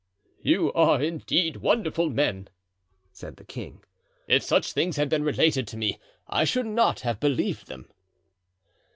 "You are, indeed, wonderful men," said the king; "if such things had been related to me I should not have believed them."